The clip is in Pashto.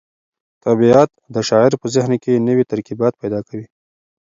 طبیعت د شاعر په ذهن کې نوي ترکیبات پیدا کوي.